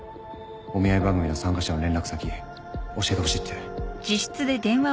お見合い番組の参加者の連絡先教えてほしいって。